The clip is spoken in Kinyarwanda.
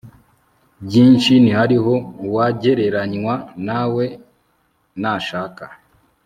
byinshi ntihariho uwagereranywa nawe nashaka